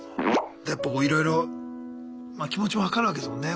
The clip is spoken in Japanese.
やっぱこういろいろ気持ちも分かるわけですもんね。